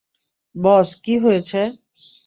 বস, কী হয়েছে?